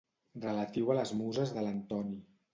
Relatiu a les muses de l'Antoni.